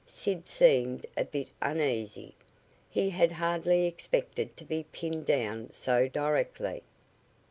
Sid seemed a bit uneasy. He had hardly expected to be pinned down so directly.